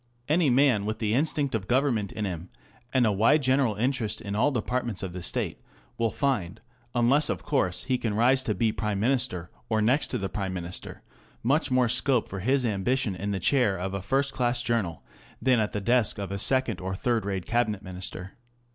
Any man with the instinct of government in him, and a wide general interest in all departments of the State, will find ŌĆö unless, of course, he can rise to be Prime Minister, or next to Prime Minister ŌĆö much more scope for his ambition in the chair of a first class journal, than at the desk of a second or a third rate Cabinet Minister.